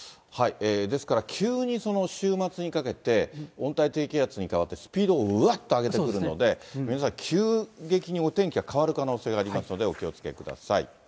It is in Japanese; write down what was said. ですから、急に週末にかけて、温帯低気圧に変わって、スピードをうわっと上げてくるので、皆さん、急激にお天気が変わる可能性がありますので、お気をつけください。